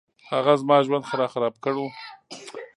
هغه زما ژوند راخراب کړو